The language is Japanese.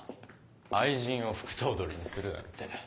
愛人を副頭取にするなんて。